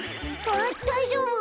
あっだいじょうぶ？